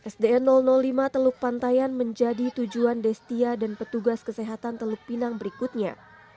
sdn lima teluk pantaian menjadi tujuan destia dan petugas kesehatan teluk pinang berikutnya